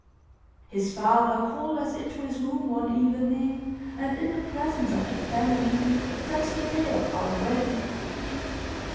"His father called us into his room one evening and, in the presence of the family, set the day of our wedding.